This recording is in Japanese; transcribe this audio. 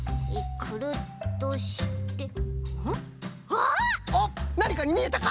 おっなにかにみえたか？